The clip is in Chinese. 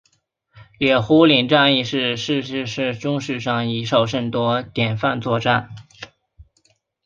野狐岭战役也是世界军事史上以少胜多典范作战。